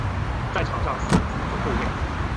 在场上司职左后卫。